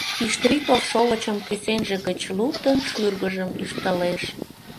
Иштриков, шовычым кӱсенже гыч луктын, шӱргыжым ӱштылеш.